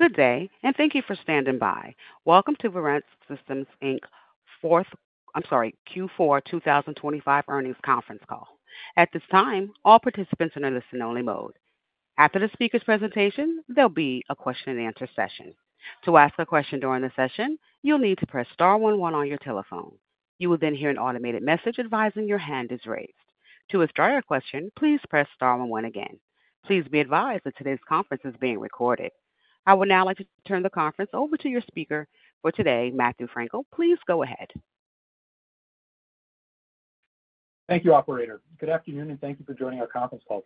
Good day, and thank you for standing by. Welcome to Verint Systems Fourth—I'm sorry—Q4 2025 earnings conference call. At this time, all participants are in a listen-only mode. After the speaker's presentation, there'll be a question-and-answer session. To ask a question during the session, you'll need to press star 11 on your telephone. You will then hear an automated message advising your hand is raised. To ask your question, please press star 11 again. Please be advised that today's conference is being recorded. I would now like to turn the conference over to your speaker for today, Matthew Frankel. Please go ahead. Thank you, Operator. Good afternoon, and thank you for joining our today's conference call.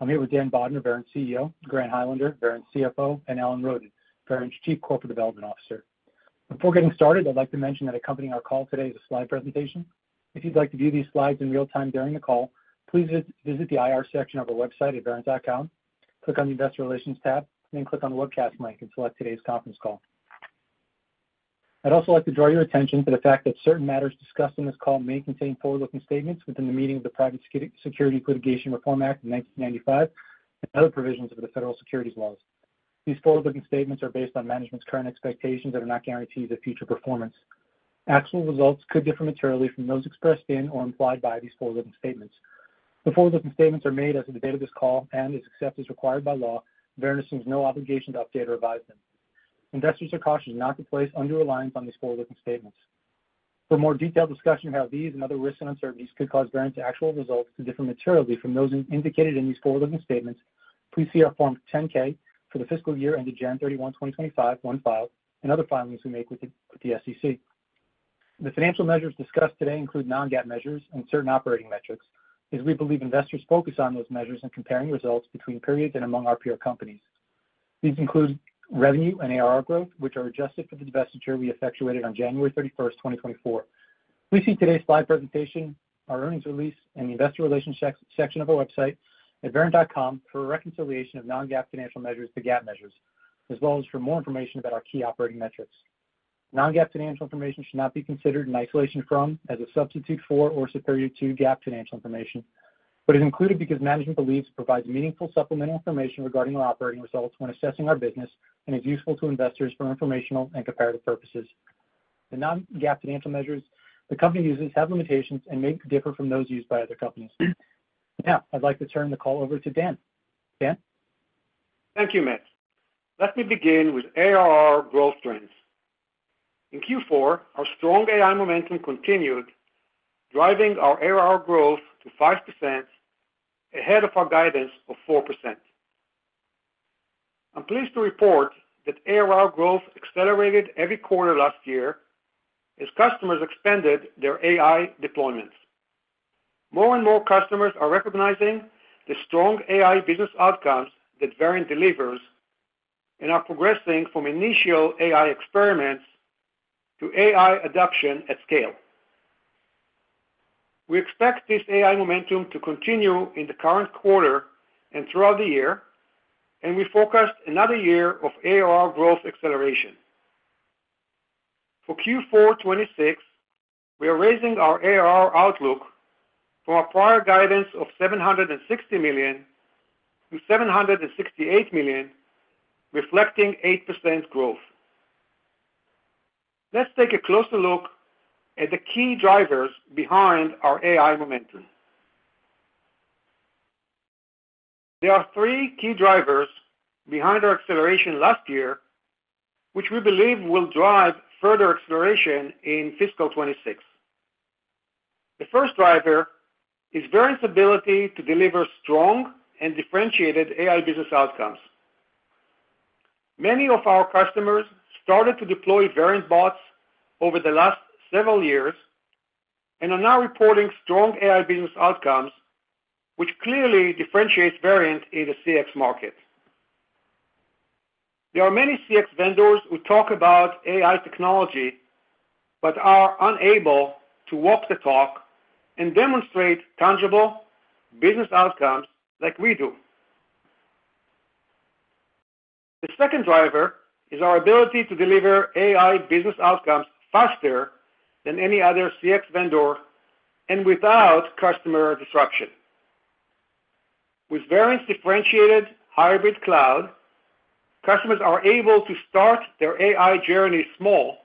I'm here with Dan Bodner, Verint CEO; Grant Highlander, Verint CFO; and Alan Roden, Verint's Chief Corporate Development Officer. Before getting started, I'd like to mention that accompanying our call today is a slide presentation. If you'd like to view these slides in real time during the call, please visit the IR section of our website at verint.com, click on the Investor Relations tab, then click on the webcast link, and select today's conference call. I'd also like to draw your attention to the fact that certain matters discussed in this call may contain forward-looking statements within the meaning of the Private Securities Litigation Reform Act of 1995 and other provisions of the federal securities laws. These forward-looking statements are based on management's current expectations that are not guarantees of future performance. Actual results could differ materially from those expressed in or implied by these forward-looking statements. The forward-looking statements are made as of the date of this call and, as accepted as required by law, Verint assumes no obligation to update or revise them. Investors are cautioned not to place undue reliance on these forward-looking statements. For more detailed discussion of how these and other risks and uncertainties could cause Verint's actual results to differ materially from those indicated in these forward-looking statements, please see our Form 10-K for the fiscal year ended January 31, 2025, when filed, and other filings we make with the SEC. The financial measures discussed today include non-GAAP measures and certain operating metrics, as we believe investors focus on those measures in comparing results between periods and among our peer companies. These include revenue and ARR growth, which are adjusted for the divestiture we effectuated on January 31, 2024. Please see today's slide presentation, our earnings release, and the Investor Relations section of our website at verint.com for a reconciliation of non-GAAP financial measures to GAAP measures, as well as for more information about our key operating metrics. Non-GAAP financial information should not be considered in isolation from, as a substitute for, or superior to GAAP financial information, but is included because management believes it provides meaningful supplemental information regarding our operating results when assessing our business and is useful to investors for informational and comparative purposes. The non-GAAP financial measures the company uses have limitations and may differ from those used by other companies. Now, I'd like to turn the call over to Dan. Dan. Thank you, Matt. Let me begin with ARR growth trends. In Q4, our strong AI momentum continued, driving our ARR growth to 5% ahead of our guidance of 4%. I'm pleased to report that ARR growth accelerated every quarter last year as customers expanded their AI deployments. More and more customers are recognizing the strong AI business outcomes that Verint delivers and are progressing from initial AI experiments to AI adoption at scale. We expect this AI momentum to continue in the current quarter and throughout the year, and we forecast another year of ARR growth acceleration. For Q4 2026, we are raising our ARR outlook from a prior guidance of $760 million to $768 million, reflecting 8% growth. Let's take a closer look at the key drivers behind our AI momentum. There are three key drivers behind our acceleration last year, which we believe will drive further acceleration in fiscal 2026. The first driver is Verint's ability to deliver strong and differentiated AI business outcomes. Many of our customers started to deploy Verint bots over the last several years and are now reporting strong AI business outcomes, which clearly differentiates Verint in the CX market. There are many CX vendors who talk about AI technology but are unable to walk the talk and demonstrate tangible business outcomes like we do. The second driver is our ability to deliver AI business outcomes faster than any other CX vendor and without customer disruption. With Verint's differentiated hybrid cloud, customers are able to start their AI journey small,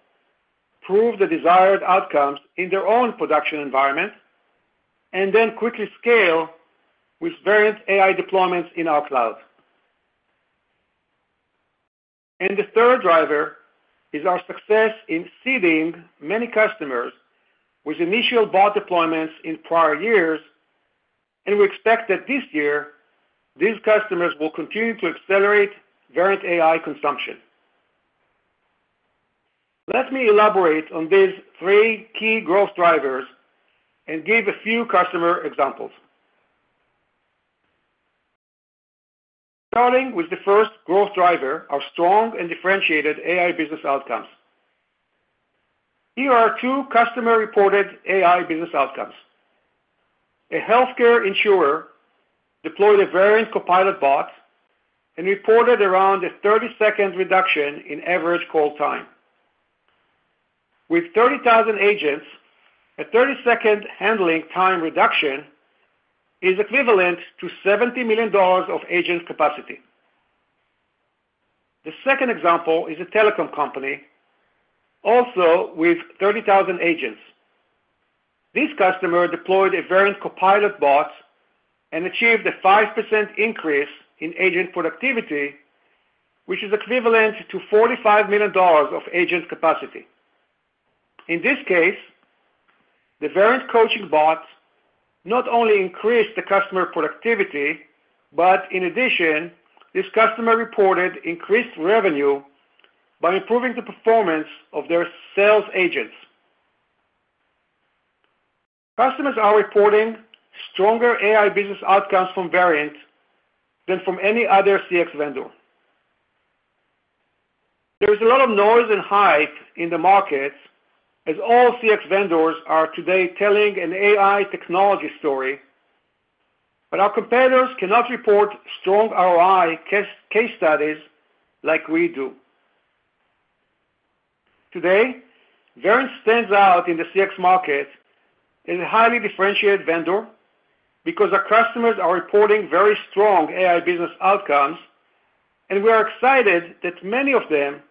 prove the desired outcomes in their own production environment, and then quickly scale with Verint AI deployments in our cloud. The third driver is our success in seeding many customers with initial bot deployments in prior years, and we expect that this year these customers will continue to accelerate Verint AI consumption. Let me elaborate on these three key growth drivers and give a few customer examples. Starting with the first growth driver, our strong and differentiated AI business outcomes. Here are two customer-reported AI business outcomes. A healthcare insurer deployed a Verint Copilot bot and reported around a 30-second reduction in average call time. With 30,000 agents, a 30-second handling time reduction is equivalent to $70 million of agent capacity. The second example is a telecom company, also with 30,000 agents. This customer deployed a Verint Copilot bot and achieved a 5% increase in agent productivity, which is equivalent to $45 million of agent capacity. In this case, the Verint Coaching Bot not only increased the customer productivity, but in addition, this customer reported increased revenue by improving the performance of their sales agents. Customers are reporting stronger AI business outcomes from Verint than from any other CX vendor. There is a lot of noise and hype in the market as all CX vendors are today telling an AI technology story, but our competitors cannot report strong ROI case studies like we do. Today, Verint stands out in the CX market as a highly differentiated vendor because our customers are reporting very strong AI business outcomes, and we are excited that many of them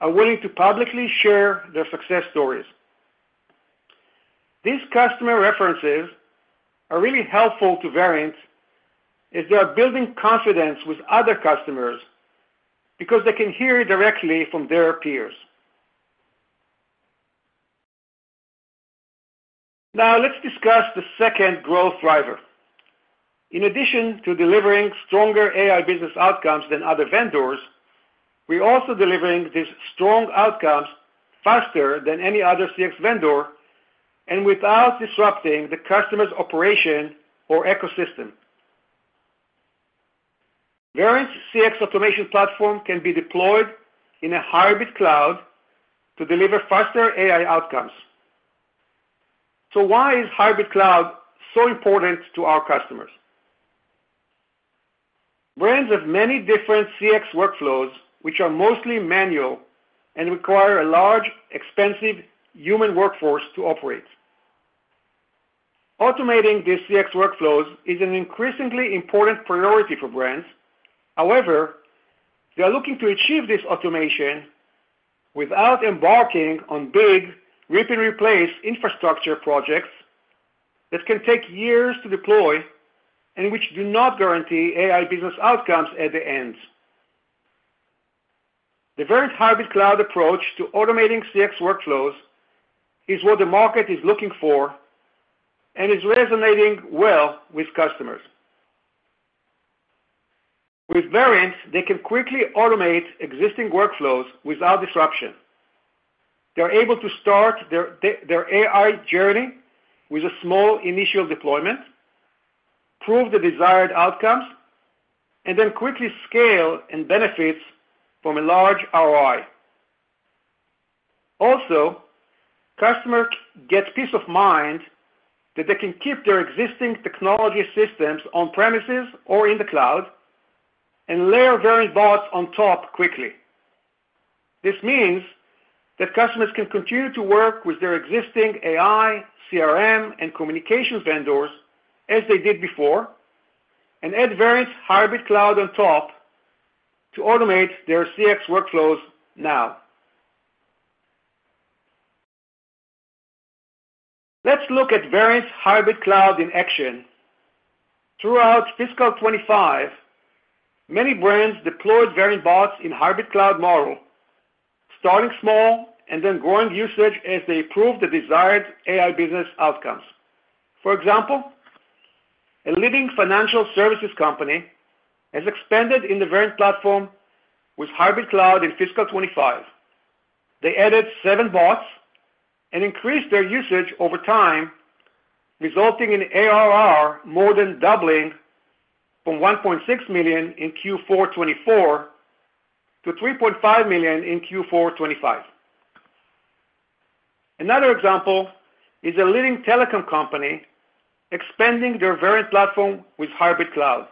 are willing to publicly share their success stories. These customer references are really helpful to Verint as they are building confidence with other customers because they can hear it directly from their peers. Now, let's discuss the second growth driver. In addition to delivering stronger AI business outcomes than other vendors, we are also delivering these strong outcomes faster than any other CX vendor and without disrupting the customer's operation or ecosystem. Verint's CX automation platform can be deployed in a hybrid cloud to deliver faster AI outcomes. Why is hybrid cloud so important to our customers? Verint has many different CX workflows, which are mostly manual and require a large, expensive human workforce to operate. Automating these CX workflows is an increasingly important priority for Verint. However, they are looking to achieve this automation without embarking on big, rip-and-replace infrastructure projects that can take years to deploy and which do not guarantee AI business outcomes at the end. The Verint hybrid cloud approach to automating CX workflows is what the market is looking for and is resonating well with customers. With Verint, they can quickly automate existing workflows without disruption. They're able to start their AI journey with a small initial deployment, prove the desired outcomes, and then quickly scale and benefit from a large ROI. Also, customers get peace of mind that they can keep their existing technology systems on-premises or in the cloud and layer Verint bots on top quickly. This means that customers can continue to work with their existing AI, CRM, and communications vendors as they did before and add Verint's hybrid cloud on top to automate their CX workflows now. Let's look at Verint's hybrid cloud in action. Throughout fiscal 2025, many brands deployed Verint bots in hybrid cloud model, starting small and then growing usage as they proved the desired AI business outcomes. For example, a leading financial services company has expanded in the Verint platform with hybrid cloud in fiscal 2025. They added seven bots and increased their usage over time, resulting in ARR more than doubling from $1.6 in Q4 2024 to 3.5 million in Q4 2025. Another example is a leading telecom company expanding their Verint platform with hybrid cloud.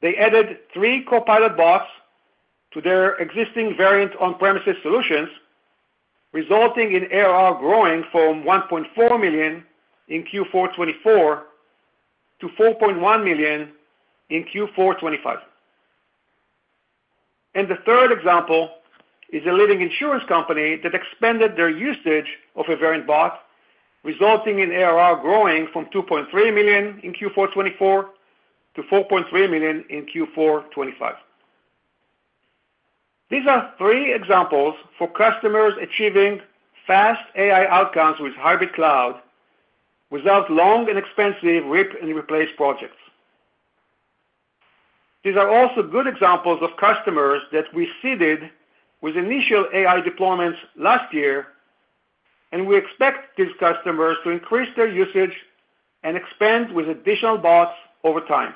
They added three Copilot bots to their existing Verint on-premises solutions, resulting in ARR growing from $1.4 million in Q4 2024 to $4.1 million in Q4 2025. The third example is a leading insurance company that expanded their usage of a Verint bot, resulting in ARR growing from $2.3 in Q4 2024 to 4.3 million in Q4 2025. These are three examples for customers achieving fast AI outcomes with hybrid cloud without long and expensive rip-and-replace projects. These are also good examples of customers that we seeded with initial AI deployments last year, and we expect these customers to increase their usage and expand with additional bots over time.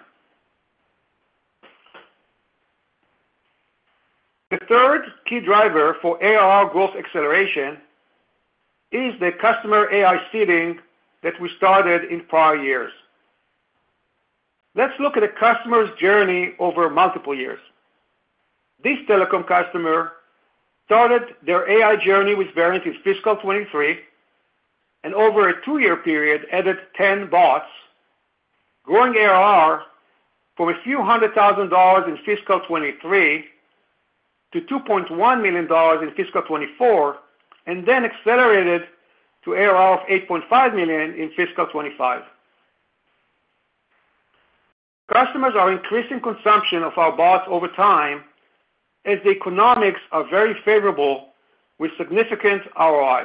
The third key driver for ARR growth acceleration is the customer AI seeding that we started in prior years. Let's look at a customer's journey over multiple years. This telecom customer started their AI journey with Verint in fiscal 2023 and over a two-year period added 10 bots, growing ARR from a few hundred thousand dollars in fiscal 2023 to $2.1 million in fiscal 2024 and then accelerated to ARR of $8.5 million in fiscal 2025. Customers are increasing consumption of our bots over time as the economics are very favorable with significant ROI.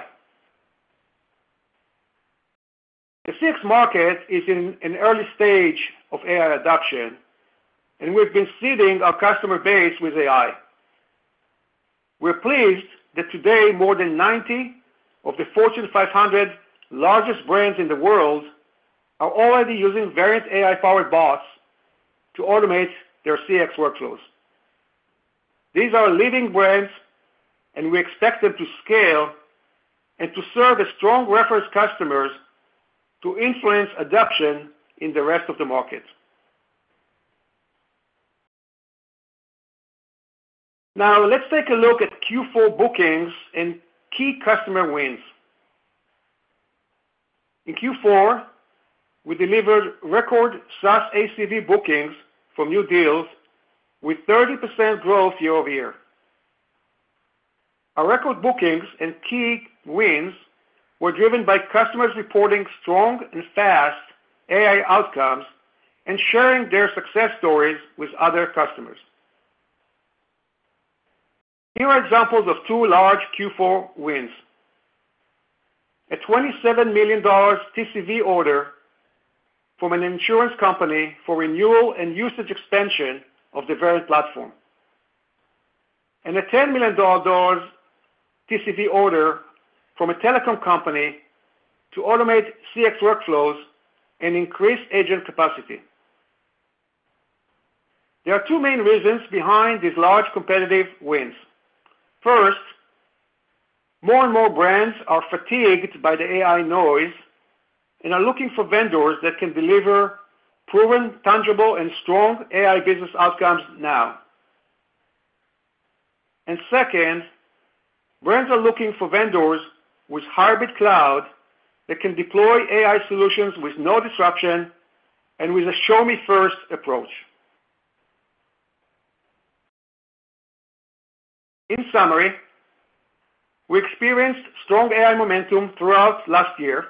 The CX market is in an early stage of AI adoption, and we've been seeding our customer base with AI. We're pleased that today more than 90 of the Fortune 500 largest brands in the world are already using Verint AI-powered bots to automate their CX workflows. These are leading brands, and we expect them to scale and to serve as strong reference customers to influence adoption in the rest of the market. Now, let's take a look at Q4 bookings and key customer wins. In Q4, we delivered record SaaS ACV bookings for new deals with 30% growth year-over-year. Our record bookings and key wins were driven by customers reporting strong and fast AI outcomes and sharing their success stories with other customers. Here are examples of two large Q4 wins: a $27 million TCV order from an insurance company for renewal and usage expansion of the Verint platform, and a $10 million TCV order from a telecom company to automate CX workflows and increase agent capacity. There are two main reasons behind these large competitive wins. First, more and more brands are fatigued by the AI noise and are looking for vendors that can deliver proven, tangible, and strong AI business outcomes now. Second, brands are looking for vendors with hybrid cloud that can deploy AI solutions with no disruption and with a show-me-first approach. In summary, we experienced strong AI momentum throughout last year.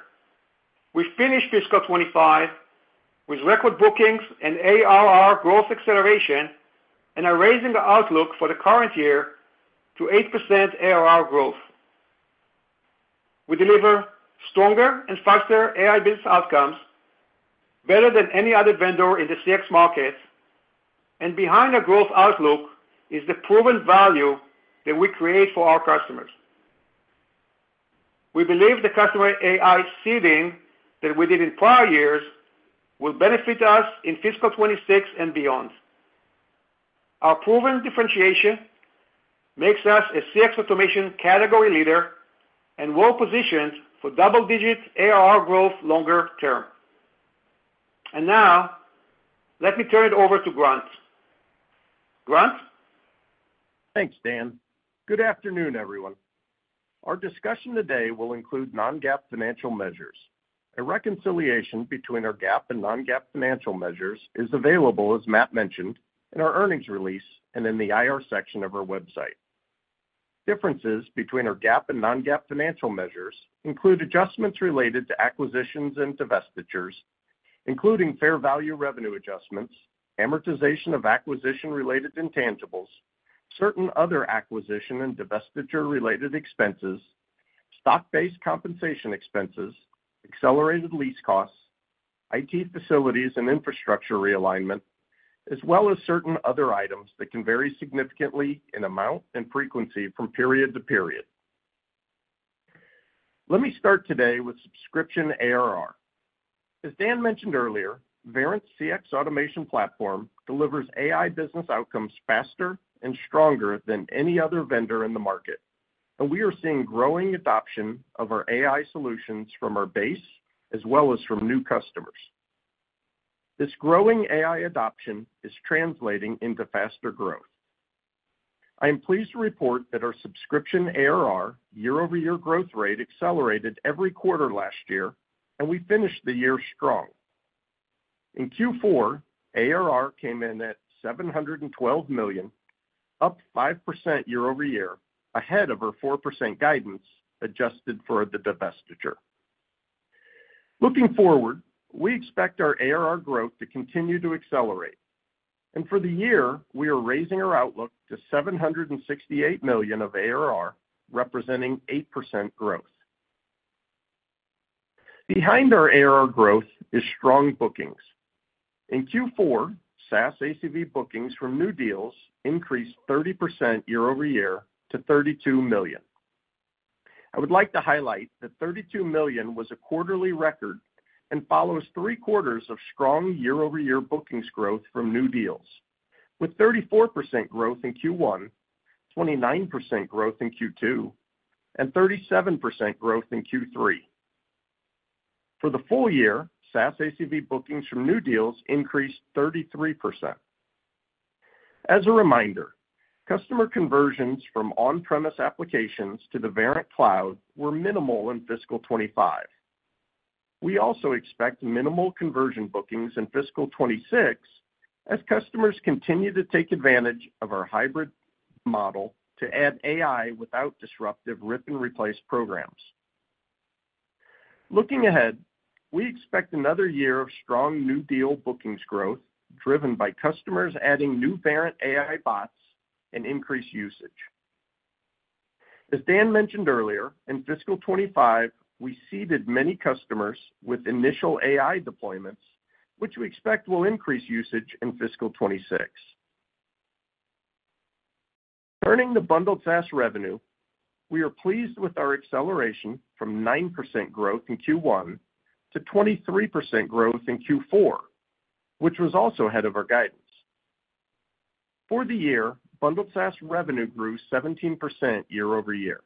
We finished fiscal 2025 with record bookings and ARR growth acceleration and are raising our outlook for the current year to 8% ARR growth. We deliver stronger and faster AI business outcomes, better than any other vendor in the CX market, and behind our growth outlook is the proven value that we create for our customers. We believe the customer AI seeding that we did in prior years will benefit us in fiscal 2026 and beyond. Our proven differentiation makes us a CX automation category leader and well-positioned for double-digit ARR growth longer term. Let me turn it over to Grant. Grant? Thanks, Dan. Good afternoon, everyone. Our discussion today will include non-GAAP financial measures. A reconciliation between our GAAP and non-GAAP financial measures is available, as Matt mentioned, in our earnings release and in the IR section of our website. Differences between our GAAP and non-GAAP financial measures include adjustments related to acquisitions and divestitures, including fair value revenue adjustments, amortization of acquisition-related intangibles, certain other acquisition and divestiture-related expenses, stock-based compensation expenses, accelerated lease costs, IT facilities and infrastructure realignment, as well as certain other items that can vary significantly in amount and frequency from period to period. Let me start today with subscription ARR. As Dan mentioned earlier, Verint's CX automation platform delivers AI business outcomes faster and stronger than any other vendor in the market, and we are seeing growing adoption of our AI solutions from our base as well as from new customers. This growing AI adoption is translating into faster growth. I am pleased to report that our subscription ARR year-over-year growth rate accelerated every quarter last year, and we finished the year strong. In Q4, ARR came in at $712 million, up 5% year-over-year, ahead of our 4% guidance adjusted for the divestiture. Looking forward, we expect our ARR growth to continue to accelerate. For the year, we are raising our outlook to $768 million of ARR, representing 8% growth. Behind our ARR growth is strong bookings. In Q4, SaaS ACV bookings from new deals increased 30% year-over-year to $32 million. I would like to highlight that $32 million was a quarterly record and follows three quarters of strong year-over-year bookings growth from new deals, with 34% growth in Q1, 29% growth in Q2, and 37% growth in Q3. For the full year, SaaS ACV bookings from new deals increased 33%. As a reminder, customer conversions from on-premise applications to the Verint Cloud were minimal in fiscal 2025. We also expect minimal conversion bookings in fiscal 2026 as customers continue to take advantage of our hybrid model to add AI without disruptive rip-and-replace programs. Looking ahead, we expect another year of strong new deal bookings growth driven by customers adding new Verint AI bots and increased usage. As Dan mentioned earlier, in fiscal 2025, we seeded many customers with initial AI deployments, which we expect will increase usage in fiscal 2026. Turning to bundled SaaS revenue, we are pleased with our acceleration from 9% growth in Q1 to 23% growth in Q4, which was also ahead of our guidance. For the year, bundled SaaS revenue grew 17% year-over-year.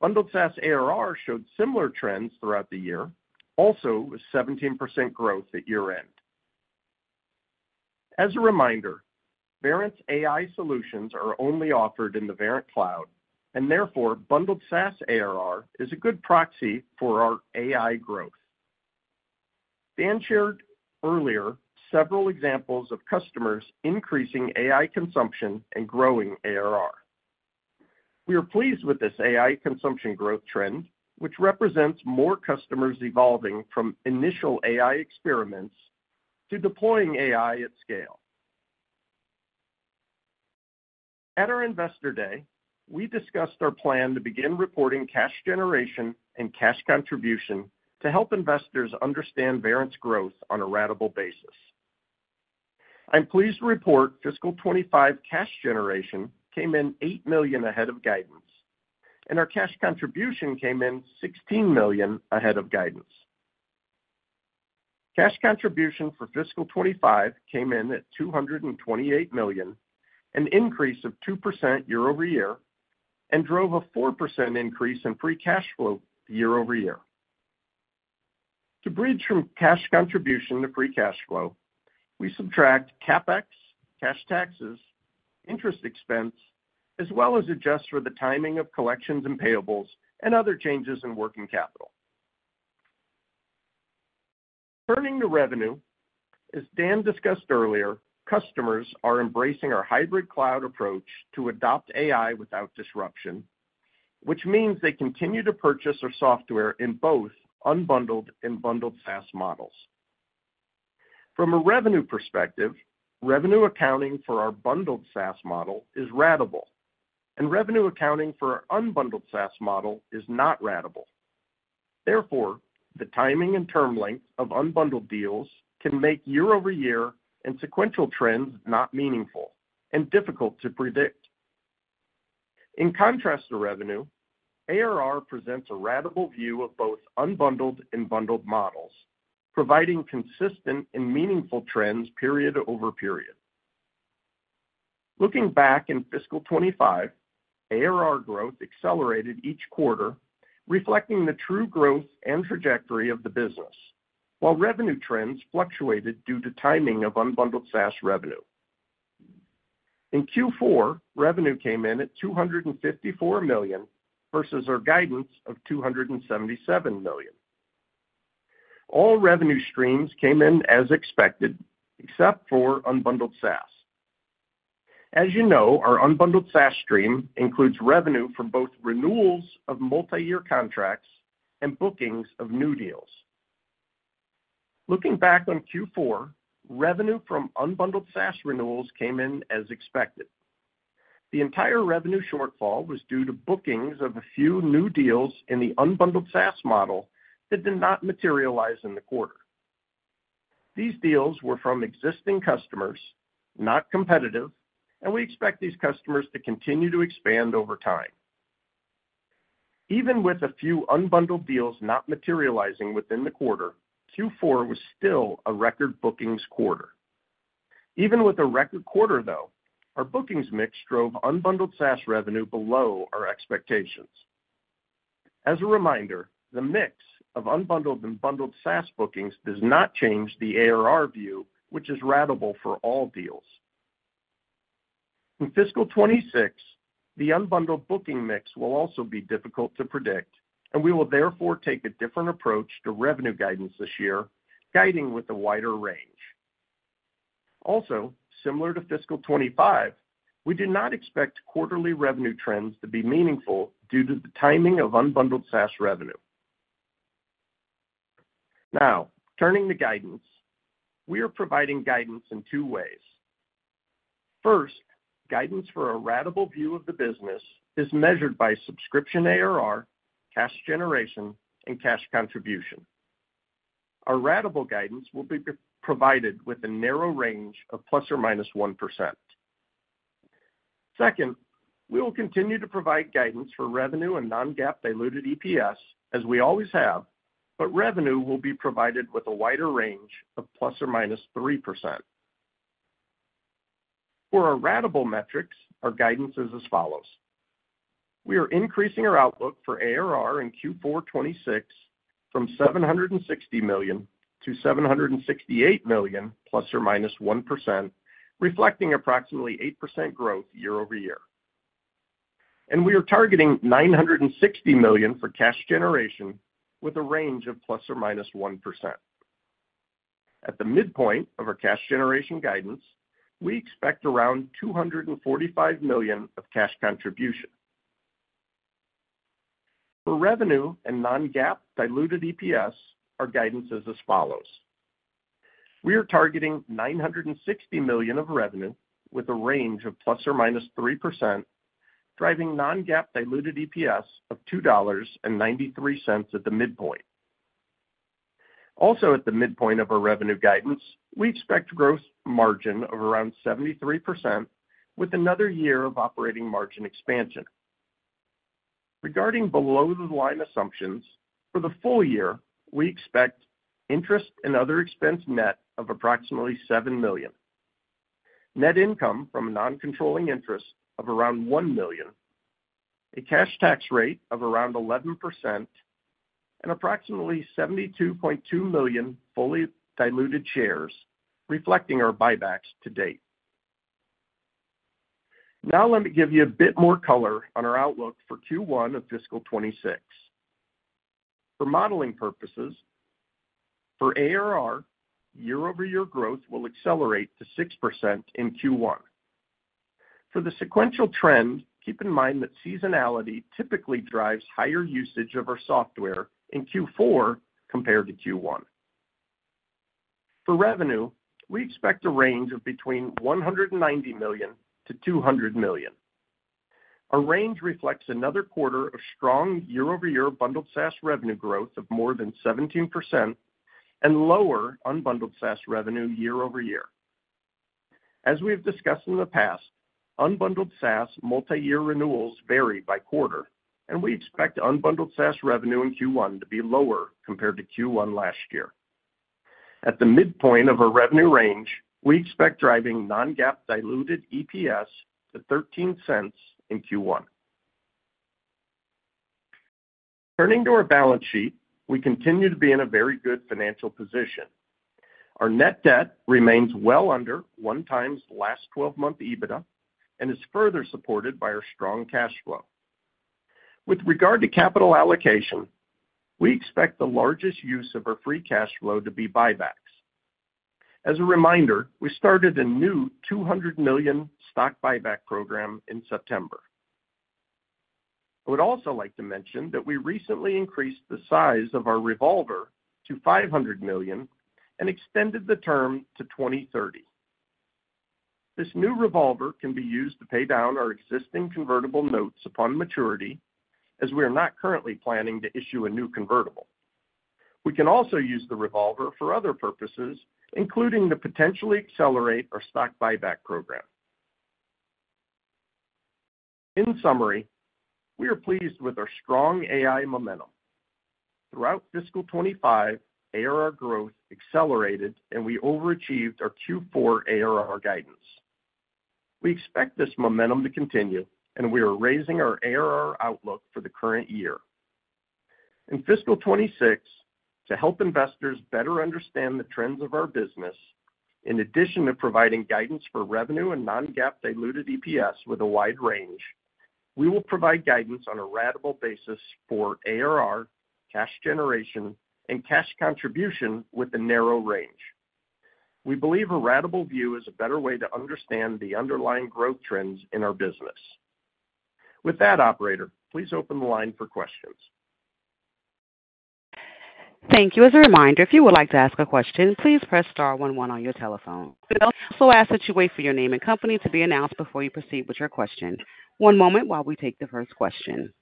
Bundled SaaS ARR showed similar trends throughout the year, also with 17% growth at year-end. As a reminder, Verint's AI solutions are only offered in the Verint Cloud, and therefore bundled SaaS ARR is a good proxy for our AI growth. Dan shared earlier several examples of customers increasing AI consumption and growing ARR. We are pleased with this AI consumption growth trend, which represents more customers evolving from initial AI experiments to deploying AI at scale. At our investor day, we discussed our plan to begin reporting cash generation and cash contribution to help investors understand Verint's growth on a ratable basis. I'm pleased to report fiscal 2025 cash generation came in $8 million ahead of guidance, and our cash contribution came in $16 million ahead of guidance. Cash contribution for fiscal 2025 came in at $228 million, an increase of 2% year-over-year, and drove a 4% increase in free cash flow year-over-year. To bridge from cash contribution to free cash flow, we subtract CapEx, cash taxes, interest expense, as well as adjust for the timing of collections and payables and other changes in working capital. Turning to revenue, as Dan discussed earlier, customers are embracing our hybrid cloud approach to adopt AI without disruption, which means they continue to purchase our software in both unbundled and bundled SaaS models. From a revenue perspective, revenue accounting for our bundled SaaS model is ratable, and revenue accounting for our unbundled SaaS model is not ratable. Therefore, the timing and term length of unbundled deals can make year-over-year and sequential trends not meaningful and difficult to predict. In contrast to revenue, ARR presents a ratable view of both unbundled and bundled models, providing consistent and meaningful trends period over period. Looking back in fiscal 2025, ARR growth accelerated each quarter, reflecting the true growth and trajectory of the business, while revenue trends fluctuated due to timing of unbundled SaaS revenue. In Q4, revenue came in at $254 million versus our guidance of $277 million. All revenue streams came in as expected, except for unbundled SaaS. As you know, our unbundled SaaS stream includes revenue from both renewals of multi-year contracts and bookings of new deals. Looking back on Q4, revenue from unbundled SaaS renewals came in as expected. The entire revenue shortfall was due to bookings of a few new deals in the unbundled SaaS model that did not materialize in the quarter. These deals were from existing customers, not competitive, and we expect these customers to continue to expand over time. Even with a few unbundled deals not materializing within the quarter, Q4 was still a record bookings quarter. Even with a record quarter, though, our bookings mix drove unbundled SaaS revenue below our expectations. As a reminder, the mix of unbundled and bundled SaaS bookings does not change the ARR view, which is ratable for all deals. In fiscal 2026, the unbundled booking mix will also be difficult to predict, and we will therefore take a different approach to revenue guidance this year, guiding with a wider range. Also, similar to fiscal 2025, we do not expect quarterly revenue trends to be meaningful due to the timing of unbundled SaaS revenue. Now, turning to guidance, we are providing guidance in two ways. First, guidance for a ratable view of the business is measured by subscription ARR, cash generation, and cash contribution. Our ratable guidance will be provided with a narrow range of ± 1%. Second, we will continue to provide guidance for revenue and non-GAAP diluted EPS, as we always have, but revenue will be provided with a wider range of ± 3%. For our ratable metrics, our guidance is as follows. We are increasing our outlook for ARR in Q4 2026 from $760 million to $768 million ± 1%, reflecting approximately 8% growth year-over-year. We are targeting $960 million for cash generation with a range of ± 1%. At the midpoint of our cash generation guidance, we expect around $245 million of cash contribution. For revenue and non-GAAP diluted EPS, our guidance is as follows. We are targeting $960 million of revenue with a range of ± 3%, driving non-GAAP diluted EPS of $2.93 at the midpoint. Also, at the midpoint of our revenue guidance, we expect gross margin of around 73% with another year of operating margin expansion. Regarding below-the-line assumptions, for the full year, we expect interest and other expense net of approximately $7 million, net income from non-controlling interest of around $1 million, a cash tax rate of around 11%, and approximately 72.2 million fully diluted shares, reflecting our buybacks to date. Now, let me give you a bit more color on our outlook for Q1 of fiscal 2026. For modeling purposes, for ARR, year-over-year growth will accelerate to 6% in Q1. For the sequential trend, keep in mind that seasonality typically drives higher usage of our software in Q4 compared to Q1. For revenue, we expect a range of between $190 - 200 million. Our range reflects another quarter of strong year-over-year bundled SaaS revenue growth of more than 17% and lower unbundled SaaS revenue year-over-year. As we have discussed in the past, unbundled SaaS multi-year renewals vary by quarter, and we expect unbundled SaaS revenue in Q1 to be lower compared to Q1 last year. At the midpoint of our revenue range, we expect driving non-GAAP diluted EPS to $0.13 in Q1. Turning to our balance sheet, we continue to be in a very good financial position. Our net debt remains well under one time's last 12-month EBITDA and is further supported by our strong cash flow. With regard to capital allocation, we expect the largest use of our free cash flow to be buybacks. As a reminder, we started a new $200 million stock buyback program in September. I would also like to mention that we recently increased the size of our revolver to $500 million and extended the term to 2030. This new revolver can be used to pay down our existing convertible notes upon maturity, as we are not currently planning to issue a new convertible. We can also use the revolver for other purposes, including to potentially accelerate our stock buyback program. In summary, we are pleased with our strong AI momentum. Throughout fiscal 2025, ARR growth accelerated, and we overachieved our Q4 ARR guidance. We expect this momentum to continue, and we are raising our ARR outlook for the current year. In fiscal 2026, to help investors better understand the trends of our business, in addition to providing guidance for revenue and non-GAAP diluted EPS with a wide range, we will provide guidance on a ratable basis for ARR, cash generation, and cash contribution with a narrow range. We believe a ratable view is a better way to understand the underlying growth trends in our business. With that, operator, please open the line for questions. Thank you. As a reminder, if you would like to ask a question, please press star 11 on your telephone. We ask that you wait for your name and company to be announced before you proceed with your question. One moment while we take the first question.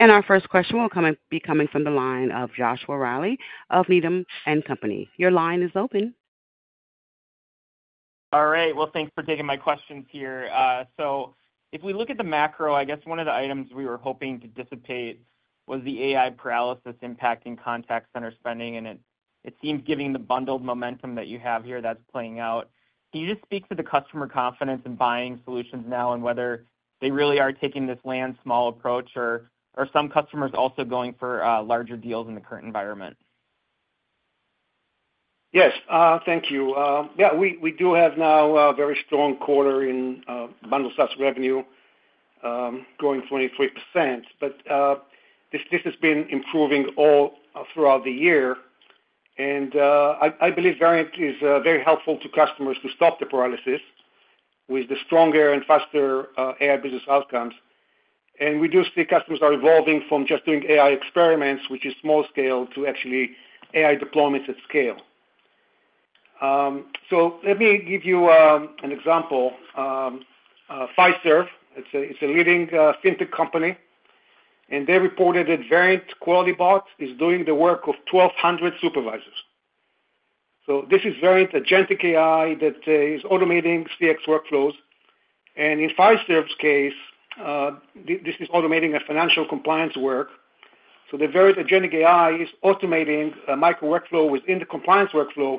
Our first question will be coming from the line of Joshua Reilly of Needham & Company. Your line is open. All right. Thanks for taking my questions here. If we look at the macro, I guess one of the items we were hoping to dissipate was the AI paralysis impacting contact center spending, and it seems given the bundled momentum that you have here that's playing out. Can you just speak to the customer confidence in buying solutions now and whether they really are taking this land-small approach, or are some customers also going for larger deals in the current environment? Yes, thank you. Yeah, we do have now a very strong quarter in bundled SaaS revenue growing 23%, but this has been improving all throughout the year. I believe Verint is very helpful to customers to stop the paralysis with the stronger and faster AI business outcomes. We do see customers are evolving from just doing AI experiments, which is small scale, to actually AI deployments at scale. Let me give you an example. Fiserv, a leading fintech company, reported that Verint Quality Bot is doing the work of 1,200 supervisors. This is Verint agentic AI that is automating CX workflows. In Fiserv's case, this is automating financial compliance work. The Verint agentic AI is automating a micro-workflow within the compliance workflow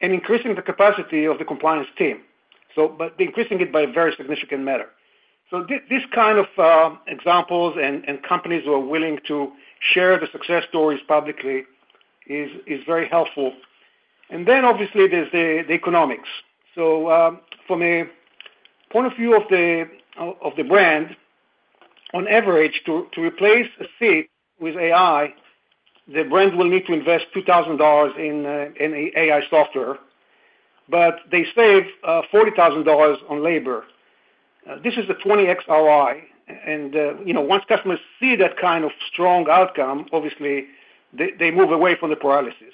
and increasing the capacity of the compliance team, but increasing it by a very significant matter. These kind of examples and companies who are willing to share the success stories publicly is very helpful. Obviously, there is the economics. From a point of view of the brand, on average, to replace a seat with AI, the brand will need to invest $2,000 in AI software, but they save $40,000 on labor. This is a 20X ROI. Once customers see that kind of strong outcome, obviously, they move away from the paralysis.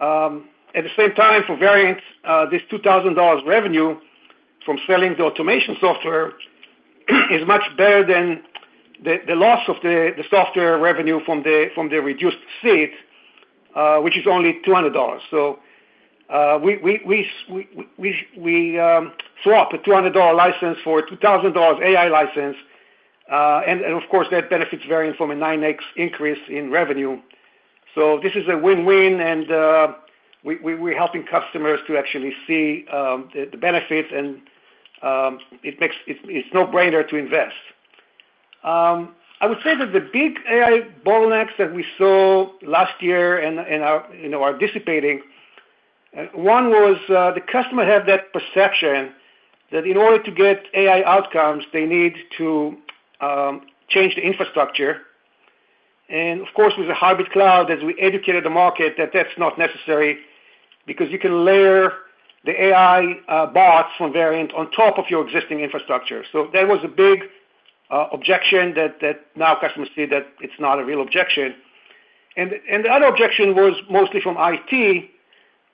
At the same time, for Verint, this $2,000 revenue from selling the automation software is much better than the loss of the software revenue from the reduced seat, which is only $200. We swap a $200 license for a $2,000 AI license. Of course, that benefits Verint from a 9X increase in revenue. This is a win-win, and we're helping customers to actually see the benefits, and it's no brainer to invest. I would say that the big AI bottlenecks that we saw last year and are dissipating, one was the customer had that perception that in order to get AI outcomes, they need to change the infrastructure. Of course, with the hybrid cloud, as we educated the market, that's not necessary because you can layer the AI bots from Verint on top of your existing infrastructure. That was a big objection that now customers see that it's not a real objection. The other objection was mostly from IT,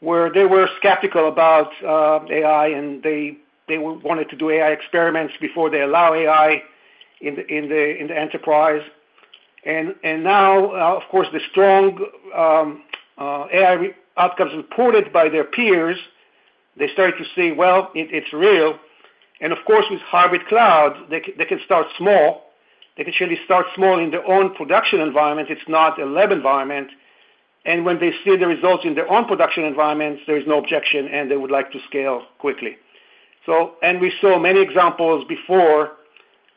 where they were skeptical about AI, and they wanted to do AI experiments before they allow AI in the enterprise. Now, of course, the strong AI outcomes reported by their peers, they started to see, well, it's real. Of course, with hybrid cloud, they can start small. They can actually start small in their own production environment. It's not a lab environment. When they see the results in their own production environments, there is no objection, and they would like to scale quickly. We saw many examples before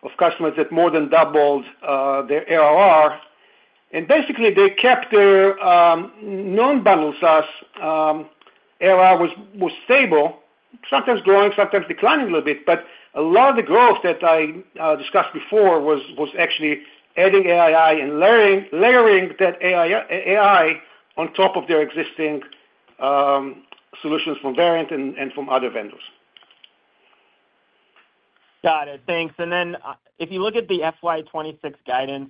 of customers that more than doubled their ROI. Basically, they kept their non-bundled SaaS ROI stable, sometimes growing, sometimes declining a little bit, but a lot of the growth that I discussed before was actually adding AI and layering that AI on top of their existing solutions from Verint and from other vendors. Got it. Thanks.If you look at the FY26 guidance,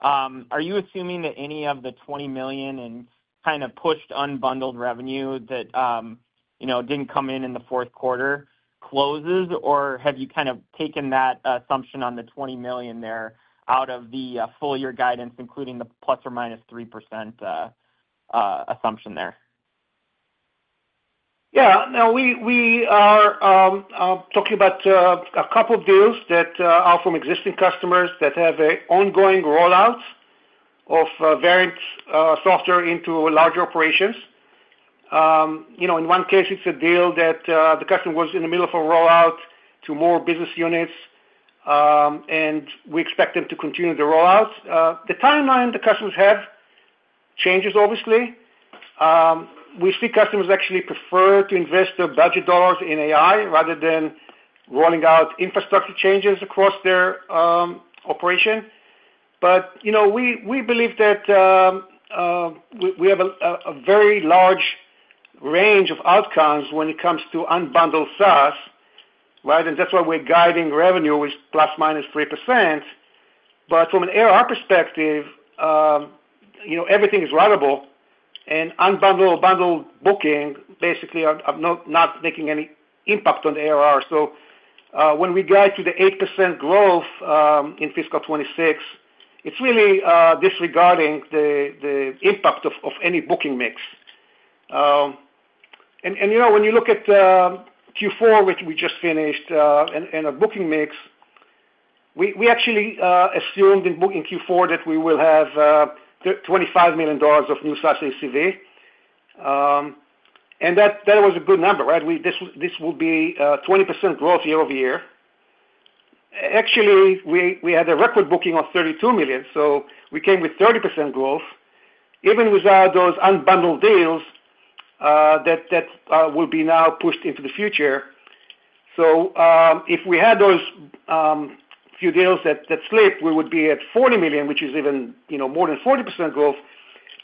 are you assuming that any of the $20 million in kind of pushed unbundled revenue that did not come in in the Q4 closes, or have you kind of taken that assumption on the $20 million there out of the full year guidance, including the ± 3% assumption there? Yeah. We are talking about a couple of deals that are from existing customers that have an ongoing rollout of Verint software into larger operations. In one case, it is a deal that the customer was in the middle of a rollout to more business units, and we expect them to continue the rollout. The timeline the customers have changes, obviously. We see customers actually prefer to invest their budget dollars in AI rather than rolling out infrastructure changes across their operation. We believe that we have a very large range of outcomes when it comes to unbundled SaaS, right? That is why we're guiding revenue with ± 3%. From an ARR perspective, everything is ratable, and unbundled or bundled booking basically are not making any impact on the ARR. When we guide to the 8% growth in fiscal 2026, it is really disregarding the impact of any booking mix. When you look at Q4, which we just finished, and a booking mix, we actually assumed in booking Q4 that we will have $25 million of new SaaS ACV. That was a good number, right? This will be 20% growth year-over-year. Actually, we had a record booking of $32 million, so we came with 30% growth, even without those unbundled deals that will be now pushed into the future. If we had those few deals that slipped, we would be at $40 million, which is even more than 40% growth.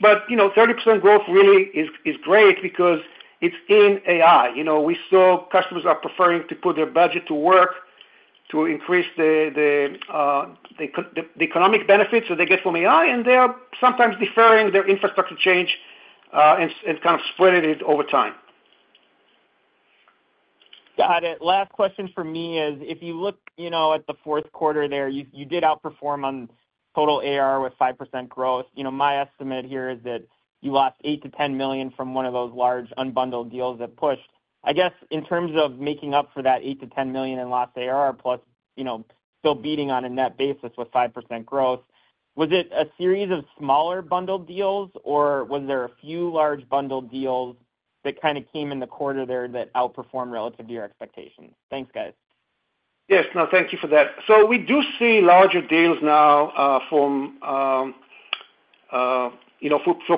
But 30% growth really is great because it's in AI. We saw customers are preferring to put their budget to work to increase the economic benefits that they get from AI, and they are sometimes deferring their infrastructure change and kind of spreading it over time. Got it. Last question for me is, if you look at the Q4 there, you did outperform on total ARR with 5% growth. My estimate here is that you lost $8 - 10 million from one of those large unbundled deals that pushed.I guess in terms of making up for that $8 - 10 million in lost ARR, plus still beating on a net basis with 5% growth, was it a series of smaller bundled deals, or was there a few large bundled deals that kind of came in the quarter there that outperformed relative to your expectations? Thanks, guys. Yes. No, thank you for that. We do see larger deals now for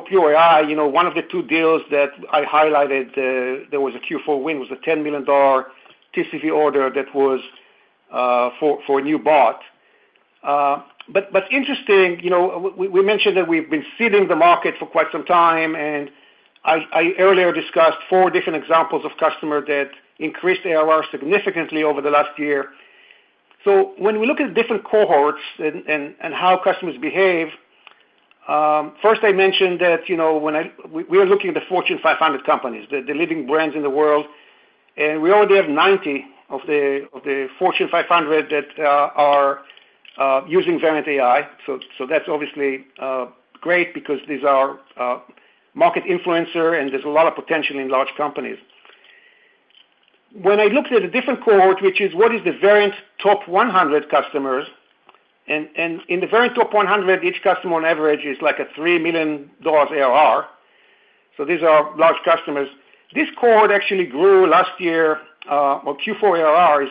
pure AI. One of the two deals that I highlighted, there was a Q4 win, was a $10 million TCV order that was for a new bot. Interesting, we mentioned that we've been seeding the market for quite some time, and I earlier discussed four different examples of customers that increased ARR significantly over the last year. When we look at different cohorts and how customers behave, first, I mentioned that we are looking at the Fortune 500 companies, the leading brands in the world, and we already have 90 of the Fortune 500 that are using Verint AI. That's obviously great because these are market influencers, and there's a lot of potential in large companies. I looked at a different cohort, which is the Verint top 100 customers, and in the Verint top 100, each customer on average is like a $3 million ARR. These are large customers. This cohort actually grew last year. Q4 ARR,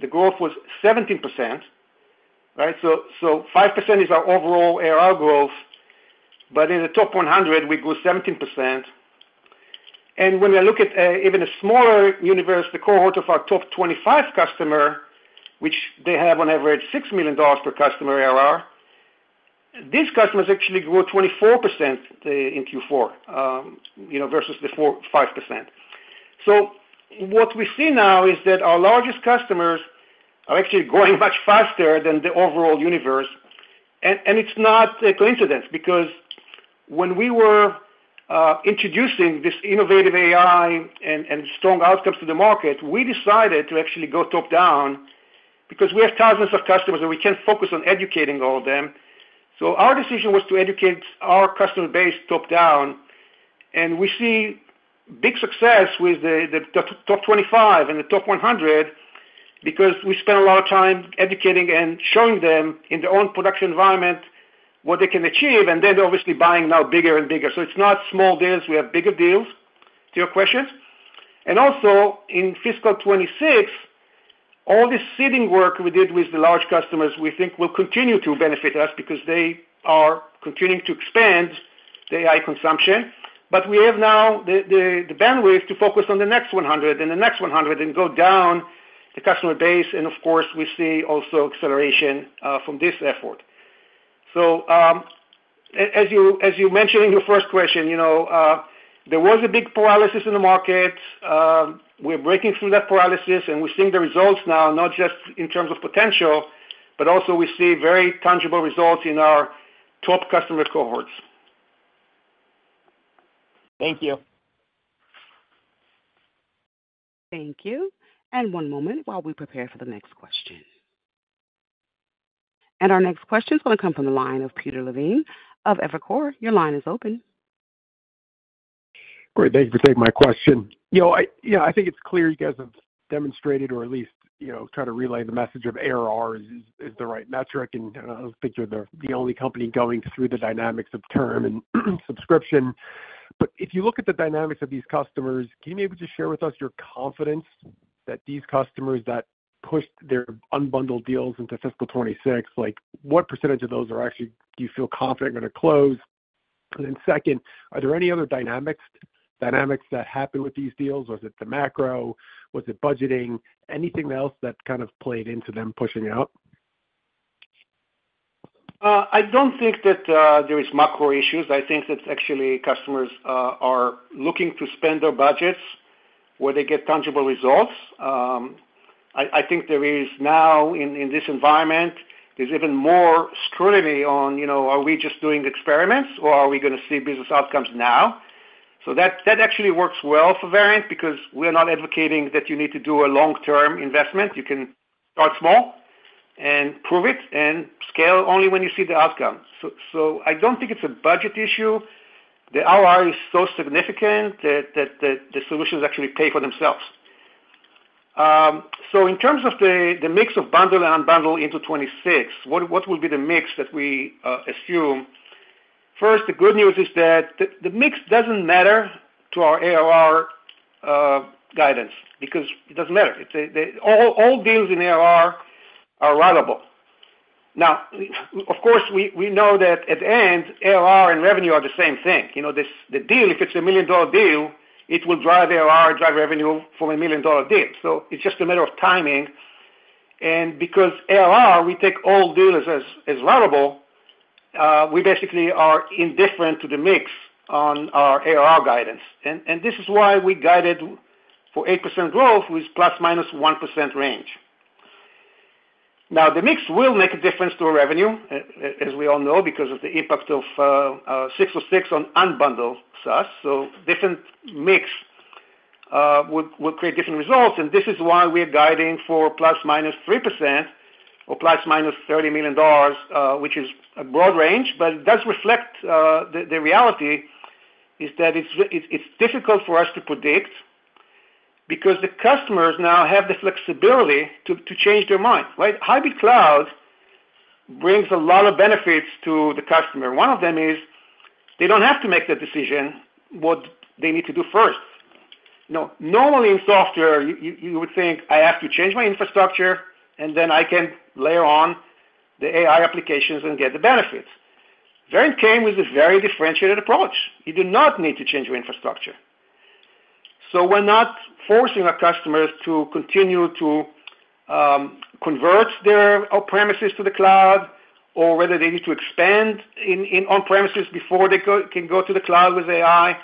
the growth was 17%, right? 5% is our overall ARR growth, but in the top 100, we grew 17%. When we look at even a smaller universe, the cohort of our top 25 customers, which they have on average $6 million per customer ARR, these customers actually grew 24% in Q4 versus the 5%. What we see now is that our largest customers are actually growing much faster than the overall universe. It is not a coincidence because when we were introducing this innovative AI and strong outcomes to the market, we decided to actually go top down because we have thousands of customers, and we cannot focus on educating all of them. Our decision was to educate our customer base top down, and we see big success with the top 25 and the top 100 because we spent a lot of time educating and showing them in their own production environment what they can achieve, and then they are obviously buying now bigger and bigger. It is not small deals. We have bigger deals, to your questions. Also, in fiscal 2026, all this seeding work we did with the large customers, we think will continue to benefit us because they are continuing to expand the AI consumption. We have now the bandwidth to focus on the next 100 and the next 100 and go down the customer base. Of course, we see also acceleration from this effort. As you mentioned in your first question, there was a big paralysis in the market. We are breaking through that paralysis, and we are seeing the results now, not just in terms of potential, but also we see very tangible results in our top customer cohorts. Thank you. Thank you. One moment while we prepare for the next question. Our next question is going to come from the line of Peter Levine of Evercore.Your line is open. Great. Thank you for taking my question. Yeah, I think it's clear you guys have demonstrated, or at least tried to relay the message of ARR is the right metric, and I don't think you're the only company going through the dynamics of term and subscription. If you look at the dynamics of these customers, can you maybe just share with us your confidence that these customers that pushed their unbundled deals into fiscal 2026, what percentage of those are actually, do you feel confident going to close? Second, are there any other dynamics that happened with these deals? Was it the macro? Was it budgeting? Anything else that kind of played into them pushing out? I don't think that there are macro issues. I think that actually customers are looking to spend their budgets where they get tangible results.I think there is now, in this environment, there's even more scrutiny on, are we just doing experiments, or are we going to see business outcomes now? That actually works well for Verint because we're not advocating that you need to do a long-term investment. You can start small and prove it and scale only when you see the outcome. I don't think it's a budget issue. The ROI is so significant that the solutions actually pay for themselves. In terms of the mix of bundled and unbundled into 2026, what will be the mix that we assume? First, the good news is that the mix doesn't matter to our ARR guidance because it doesn't matter. All deals in ARR are ratable. Of course, we know that at the end, ARR and revenue are the same thing. The deal, if it's a million-dollar deal, it will drive ARR, drive revenue from a million-dollar deal. It is just a matter of timing. Because ARR, we take all deals as ratable, we basically are indifferent to the mix on our ARR guidance. This is why we guided for 8% growth with ± 1% range. The mix will make a difference to revenue, as we all know, because of the impact of 606 on unbundled SaaS. Different mix will create different results. This is why we are guiding for ± 3% or ± $30 million, which is a broad range, but it does reflect the reality that it is difficult for us to predict because the customers now have the flexibility to change their mind, right? hybrid cloud brings a lot of benefits to the customer. One of them is they don't have to make the decision what they need to do first. Normally, in software, you would think, "I have to change my infrastructure, and then I can layer on the AI applications and get the benefits." Verint came with a very differentiated approach. You do not need to change your infrastructure. We're not forcing our customers to continue to convert their on-premises to the cloud or whether they need to expand on-premises before they can go to the cloud with AI.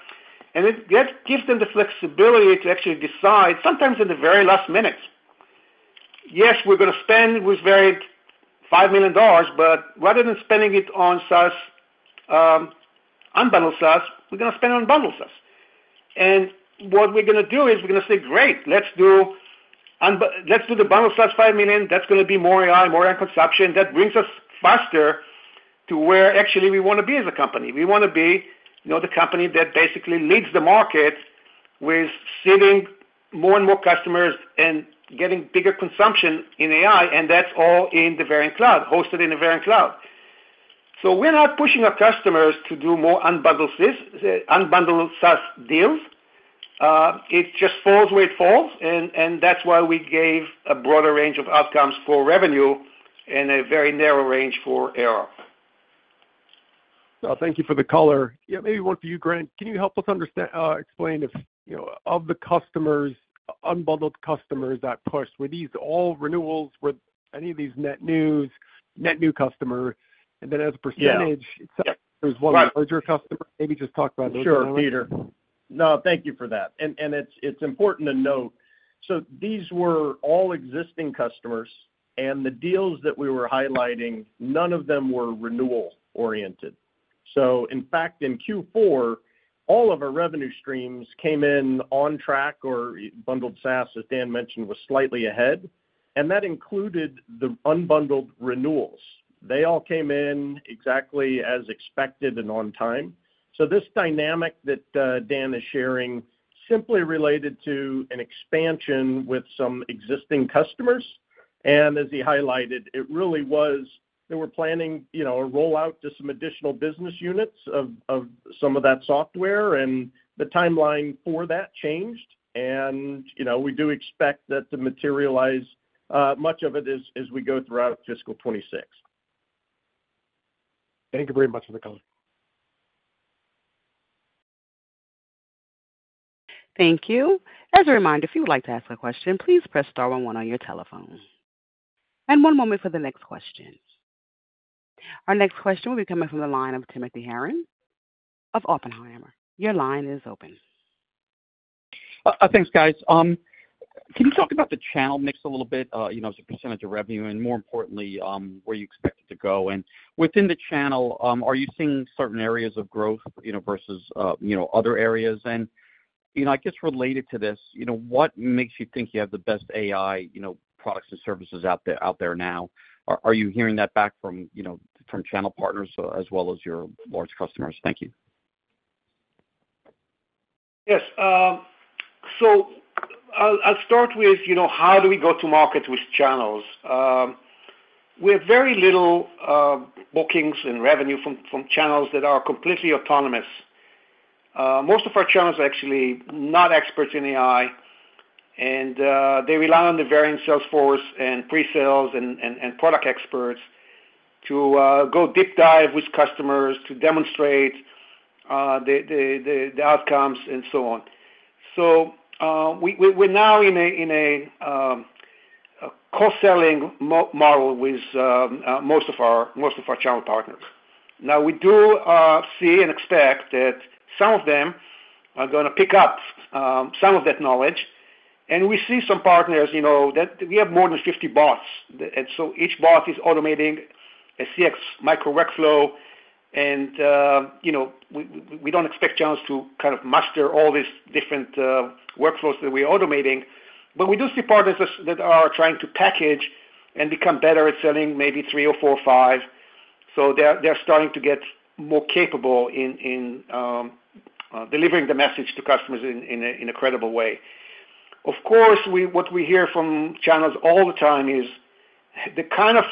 It gives them the flexibility to actually decide, sometimes in the very last minute, "Yes, we're going to spend with Verint $5 million, but rather than spending it on SaaS unbundled SaaS, we're going to spend on bundled SaaS." What we're going to do is we're going to say, "Great. Let's do the bundled SaaS $5 million. That's going to be more AI, more AI consumption. That brings us faster to where actually we want to be as a company. We want to be the company that basically leads the market with seeding more and more customers and getting bigger consumption in AI, and that's all in the Verint Cloud, hosted in the Verint Cloud. We are not pushing our customers to do more unbundled SaaS deals. It just falls where it falls, and that's why we gave a broader range of outcomes for revenue and a very narrow range for ARR. Thank you for the color. Yeah, maybe one for you, Grant. Can you help us explain of the customers, unbundled customers that pushed? Were these all renewals? Were any of these net news? Net new customer? And then as a percentage, there was one larger customer. Maybe just talk about those for a moment. Sure, Peter. No, thank you for that. It's important to note. These were all existing customers, and the deals that we were highlighting, none of them were renewal-oriented. In fact, in Q4, all of our revenue streams came in on track, or bundled SaaS, as Dan mentioned, was slightly ahead. That included the unbundled renewals. They all came in exactly as expected and on time. This dynamic that Dan is sharing simply related to an expansion with some existing customers. As he highlighted, it really was they were planning a rollout to some additional business units of some of that software, and the timeline for that changed. We do expect that to materialize, much of it as we go throughout fiscal 2026. Thank you very much for the color. Thank you. As a reminder, if you would like to ask a question, please press star 11 on your telephone. One moment for the next question. Our next question will be coming from the line of Timothy Horan of Oppenheimer. Your line is open. Thanks, guys. Can you talk about the channel mix a little bit? It's a percentage of revenue and, more importantly, where you expect it to go. Within the channel, are you seeing certain areas of growth versus other areas? I guess related to this, what makes you think you have the best AI products and services out there now? Are you hearing that back from channel partners as well as your large customers? Thank you. Yes. I'll start with how do we go to market with channels. We have very little bookings and revenue from channels that are completely autonomous. Most of our channels are actually not experts in AI, and they rely on the Verint Salesforce and pre-sales and product experts to go deep dive with customers to demonstrate the outcomes and so on. We are now in a co-selling model with most of our channel partners. We do see and expect that some of them are going to pick up some of that knowledge. We see some partners that we have more than 50 bots, and each bot is automating a CX micro workflow, and we do not expect channels to kind of muster all these different workflows that we are automating. We do see partners that are trying to package and become better at selling maybe three or four or five. They are starting to get more capable in delivering the message to customers in a credible way. Of course, what we hear from channels all the time is the kind of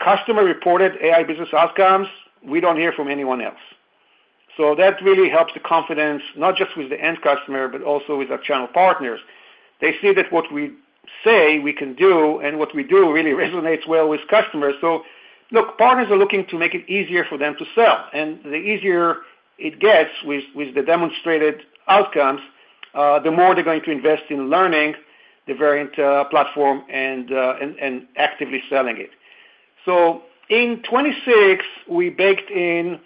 customer-reported AI business outcomes we do not hear from anyone else. That really helps the confidence, not just with the end customer, but also with our channel partners. They see that what we say we can do and what we do really resonates well with customers. Partners are looking to make it easier for them to sell. The easier it gets with the demonstrated outcomes, the more they are going to invest in learning the Verint platform and actively selling it. In 2026, we baked in,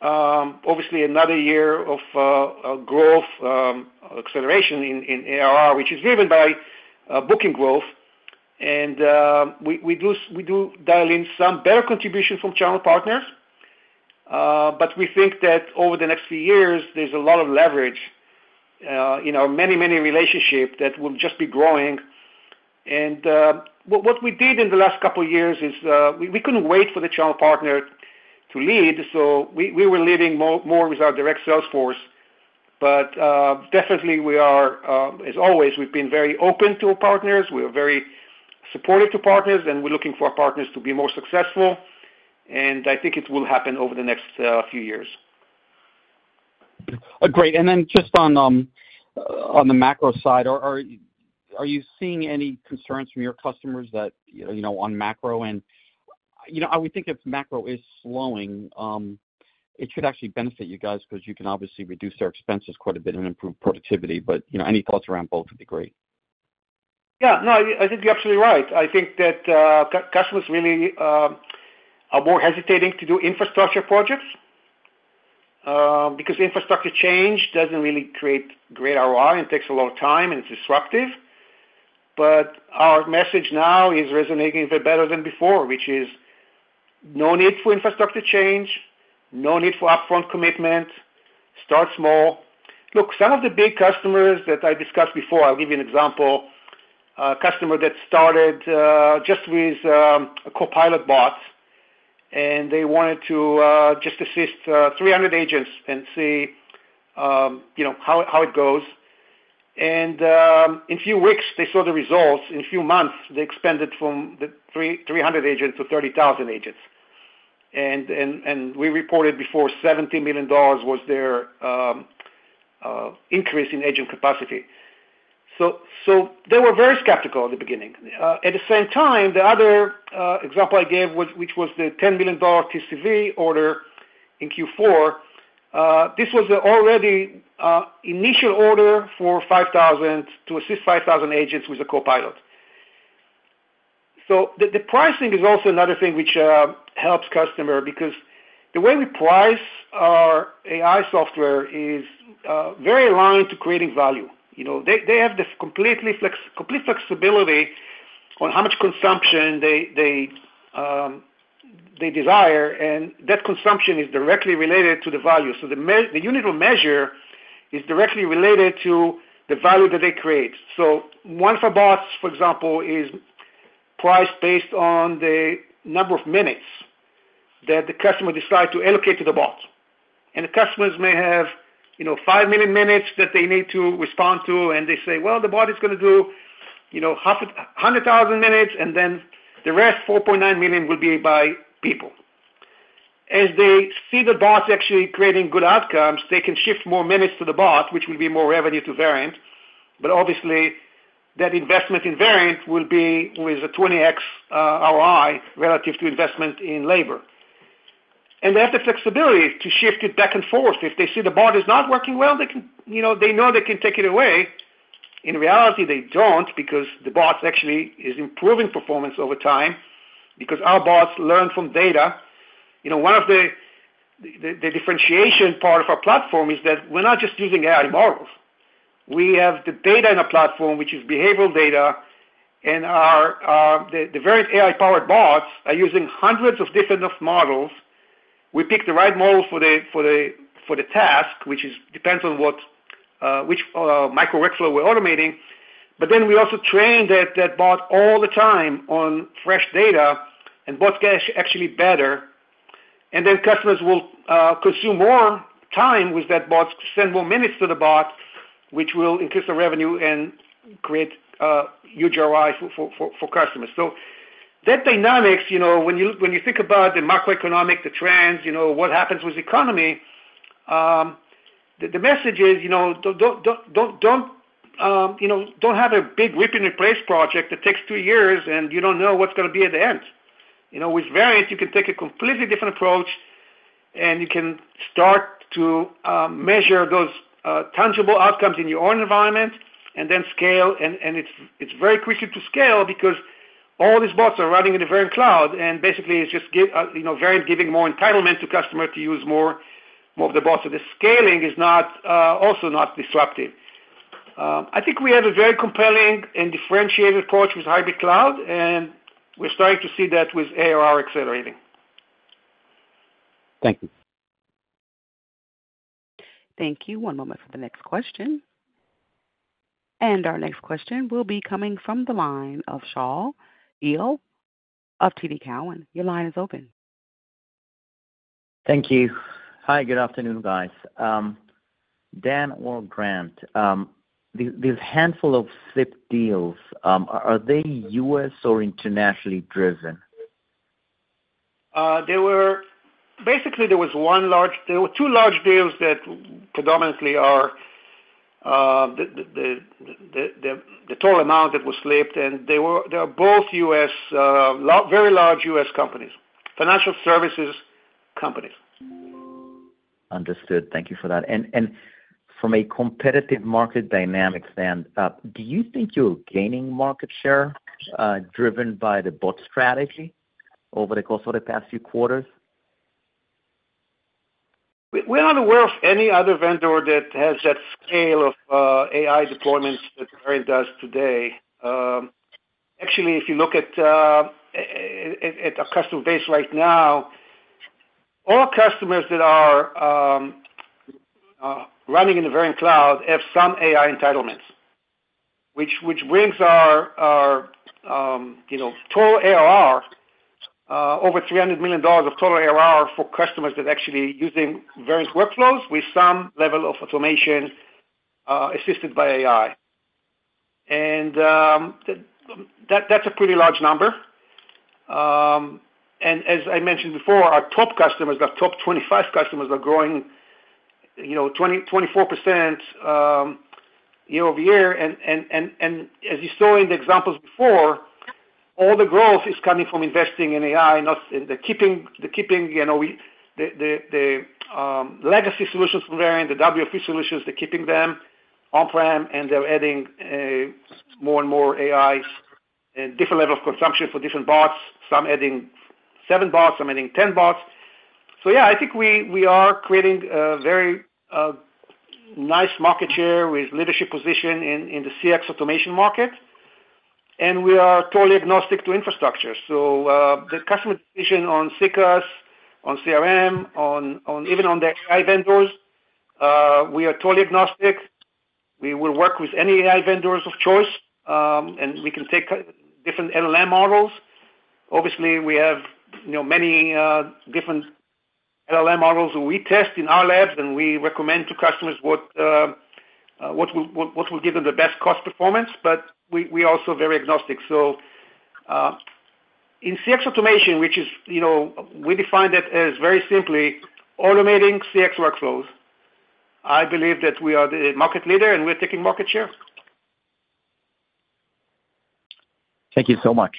obviously, another year of growth acceleration in ARR, which is driven by booking growth. We do dial in some better contribution from channel partners, but we think that over the next few years, there's a lot of leverage in our many, many relationships that will just be growing. What we did in the last couple of years is we couldn't wait for the channel partner to lead. We were leading more with our direct Salesforce, but definitely, as always, we've been very open to partners. We are very supportive to partners, and we're looking for partners to be more successful. I think it will happen over the next few years. Great. On the macro side, are you seeing any concerns from your customers that on macro end? I would think if macro is slowing, it should actually benefit you guys because you can obviously reduce their expenses quite a bit and improve productivity. But any thoughts around both would be great. Yeah. No, I think you're absolutely right. I think that customers really are more hesitating to do infrastructure projects because infrastructure change doesn't really create great ROI and takes a lot of time and is disruptive. Our message now is resonating a bit better than before, which is no need for infrastructure change, no need for upfront commitment, start small. Look, some of the big customers that I discussed before, I'll give you an example, a customer that started just with a Copilot bot, and they wanted to just assist 300 agents and see how it goes. In a few weeks, they saw the results. In a few months, they expanded from 300 agents to 30,000 agents. We reported before $70 million was their increase in agent capacity. They were very skeptical at the beginning. At the same time, the other example I gave, which was the $10 million TCV order in Q4, this was an already initial order for 5,000 to assist 5,000 agents with a Copilot. The pricing is also another thing which helps customers because the way we price our AI software is very aligned to creating value. They have this complete flexibility on how much consumption they desire, and that consumption is directly related to the value. The unit of measure is directly related to the value that they create. One of our bots, for example, is priced based on the number of minutes that the customer decides to allocate to the bot. The customers may have 5 million minutes that they need to respond to, and they say, "Well, the bot is going to do 100,000 minutes, and then the rest 4.9 million will be by people." As they see the bots actually creating good outcomes, they can shift more minutes to the bot, which will be more revenue to Verint. Obviously, that investment in Verint will be with a 20x ROI relative to investment in labor. They have the flexibility to shift it back and forth. If they see the bot is not working well, they know they can take it away. In reality, they do not because the bot actually is improving performance over time because our bots learn from data. One of the differentiation parts of our platform is that we are not just using AI models. We have the data in our platform, which is behavioral data, and the Verint AI-powered bots are using hundreds of different models. We pick the right model for the task, which depends on which micro workflow we're automating. We also train that bot all the time on fresh data, and bots get actually better. Customers will consume more time with that bot. They spend more minutes to the bot, which will increase the revenue and create huge ROI for customers. That dynamics, when you think about the macroeconomic, the trends, what happens with the economy, the message is don't have a big rip-and-replace project that takes two years, and you don't know what's going to be at the end. With Verint, you can take a completely different approach, and you can start to measure those tangible outcomes in your own environment and then scale. It is very quick to scale because all these bots are running in the Verint Cloud, and basically, it is just Verint giving more entitlement to customers to use more of the bots. The scaling is also not disruptive.I think we have a very compelling and differentiated approach with hybrid cloud, and we are starting to see that with ARR accelerating. Thank you. Thank you. One moment for the next question. Our next question will be coming from the line of Shaul Eyal of TD Cowen. Your line is open. Thank you. Hi, good afternoon, guys. Dan or Grant, the handful of slipped deals, are they US or internationally driven? Basically, there were two large deals that predominantly are the total amount that was slipped, and they are both very large US companies, financial services companies. Understood. Thank you for that. From a competitive market dynamic stand, do you think you're gaining market share driven by the bot strategy over the course of the past few quarters? We're not aware of any other vendor that has that scale of AI deployments that Verint does today. Actually, if you look at our customer base right now, all customers that are running in the Verint Cloud have some AI entitlements, which brings our total ARR, over $300 million of total ARR for customers that are actually using Verint workflows with some level of automation assisted by AI. That's a pretty large number. As I mentioned before, our top customers, our top 25 customers are growing 24% year-over-year. As you saw in the examples before, all the growth is coming from investing in AI, not in keeping the legacy solutions from Verint, the WFO solutions, they're keeping them on-prem, and they're adding more and more AI and different levels of consumption for different bots. Some adding 7 bots, some adding 10 bots. I think we are creating a very nice market share with leadership position in the CX automation market, and we are totally agnostic to infrastructure. The customer decision on CCaaS, on CRM, even on the AI vendors, we are totally agnostic. We will work with any AI vendors of choice, and we can take different LLM models. Obviously, we have many different LLM models that we test in our labs, and we recommend to customers what will give them the best cost performance, but we are also very agnostic.In CX automation, which is we define that as very simply automating CX workflows, I believe that we are the market leader and we're taking market share. Thank you so much.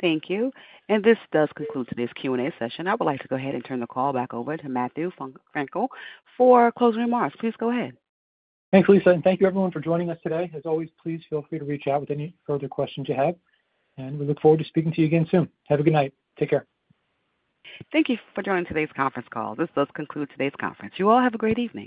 Thank you. This does conclude today's Q&A session. I would like to go ahead and turn the call back over to Matthew Frankel for closing remarks. Please go ahead. Thanks, Lisa. Thank you, everyone, for joining us today. As always, please feel free to reach out with any further questions you have, and we look forward to speaking to you again soon. Have a good night. Take care. Thank you for joining Today's Conference Call. This does conclude today's conference. You all have a great evening.